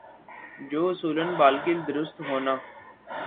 جو اصولا بالکل درست ہونا ۔